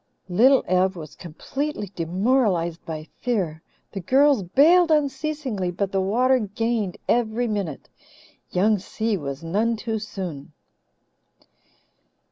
Little Ev was completely demoralized by fear. The girls bailed unceasingly, but the water gained every minute. Young Si was none too soon.